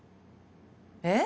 えっ？